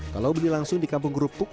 kalau beli langsung di kampung kerupuk